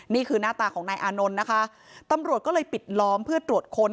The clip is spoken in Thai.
นี่คือหน้าตาของนายอานนท์นะคะตำรวจก็เลยปิดล้อมเพื่อตรวจค้น